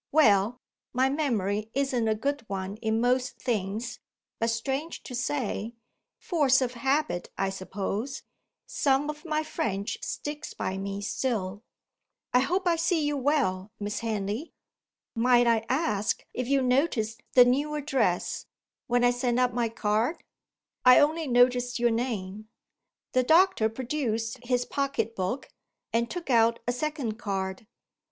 Well, my memory isn't a good one in most things, but strange to say (force of habit, I suppose), some of my French sticks by me still. I hope I see you well, Miss Henley. Might I ask if you noticed the new address, when I sent up my card?" "I only noticed your name." The doctor produced his pocket book, and took out a second card.